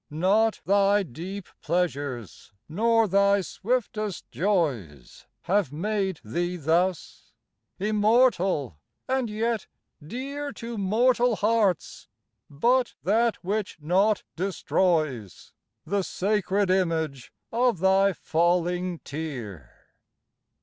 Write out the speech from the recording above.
Not thy deep pleasures, nor thy swiftest joys, Have made thee thus, immortal and yet dear To mortal hearts, but that which naught destroys, The sacred image of thy falling tear.